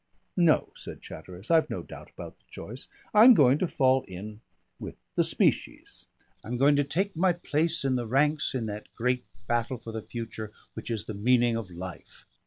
"No," said Chatteris, "I've no doubt about the choice. I'm going to fall in with the species; I'm going to take my place in the ranks in that great battle for the future which is the meaning of life.